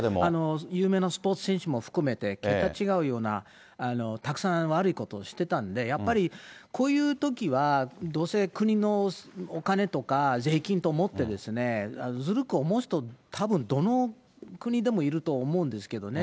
有名なスポーツ選手も含めて、桁違うようなたくさん悪いことしてたんで、やっぱりこういうときは、どうせ国のお金とか税金と思って、ずるく思う人、たぶんどの国でもいると思うんですけどね。